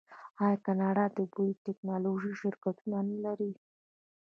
آیا کاناډا د بایو ټیکنالوژۍ شرکتونه نلري؟